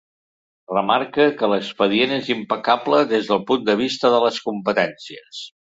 Remarca que l’expedient és impecable des del punt de vista de les competències.